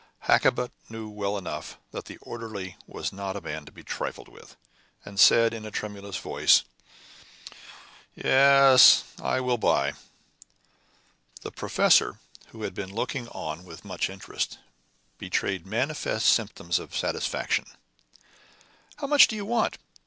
Hakkabut knew well enough that the orderly was not a man to be trifled with, and said, in a tremulous voice, "Yes, I will buy." The professor, who had been looking on with much interest, betrayed manifest symptoms of satisfaction. "How much do you want?